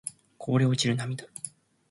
こぼれ落ちる涙